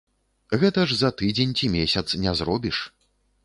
Гэта ж за тыдзень ці месяц не зробіш.